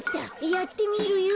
やってみるよ。